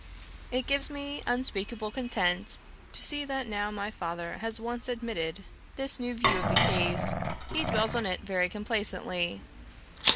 "It gives me unspeakable content to see that now my father has once admitted this new view of the case, he dwells on it very complacently.